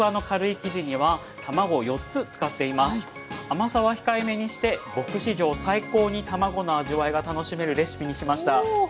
甘さは控えめにして僕史上最高に卵の味わいが楽しめるレシピにしました。